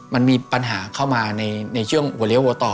มันมีปัญหาเข้ามาในช่วงหัวเลี้ยหัวต่อ